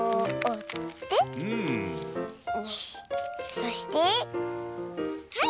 そしてはい。